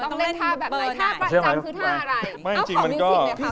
ต้องเล่นท่าแบบไหนท่าประจำคือท่าอะไร